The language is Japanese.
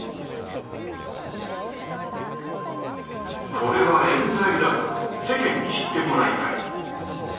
これはえん罪だと世間に知ってもらいたい。